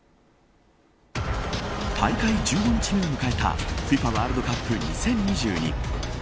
大会１５日目を迎えたＦＩＦＡワールドカップ２０２２